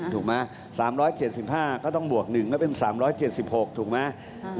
ถูกไหม๓๗๕ก็ต้องบวก๑ก็เป็น๓๗๖ถูกไหม